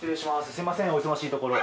すいませんお忙しいところ。